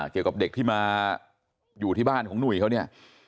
เกี่ยวกับเด็กที่มาอยู่ที่บ้านของหนุ่ยเขาเนี่ย